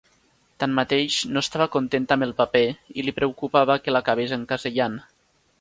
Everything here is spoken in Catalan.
Tanmateix, no estava contenta amb el paper i li preocupava que l'acabés encasellant.